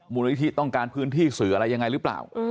มูลนิธิต้องการพื้นที่สื่ออะไรยังไงหรือเปล่า